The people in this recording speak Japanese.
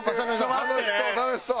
楽しそう楽しそう。